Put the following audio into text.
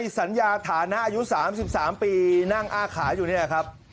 สัญญาฐานะอายุ๓๓ปีนั่งอ้าขาอยู่เนี่ยครับ